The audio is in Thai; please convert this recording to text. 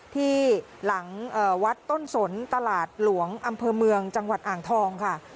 ที่หลังวัดต้นสนตลาดหลวงอำเภอเมืองจังหวัดอ่างทองค่ะ